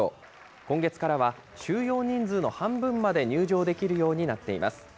今月からは収容人数の半分まで入場できるようになっています。